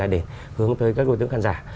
để hướng tới các ngôi tướng khán giả